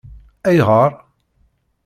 Ayɣer?